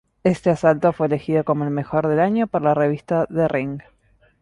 Este asalto fue elegido como el mejor del año por la revista "The Ring".